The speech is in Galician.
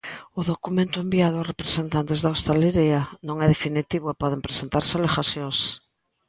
O documento enviado aos representantes da hostalería non é definitivo e poden presentarse alegacións.